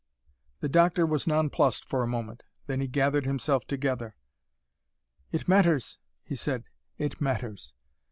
The doctor was nonplussed for a moment. Then he gathered himself together. "It matters," he said; "it matters.